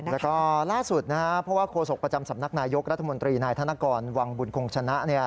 แล้วก็ล่าสุดนะครับเพราะว่าโฆษกประจำสำนักนายกรัฐมนตรีนายธนกรวังบุญคงชนะเนี่ย